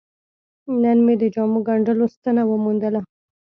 نن مې د جامو ګنډلو ستنه وموندله.